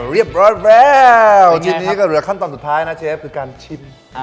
เรียบร้อยแล้วทีนี้ก็เหลือขั้นตอนสุดท้ายนะเชฟคือการชิม